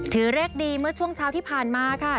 เลขดีเมื่อช่วงเช้าที่ผ่านมาค่ะ